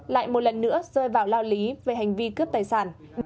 lại một lần nữa rơi vào lao lý về hành vi cướp tài sản